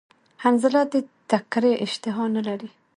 حنظله د تکری اشتها نلری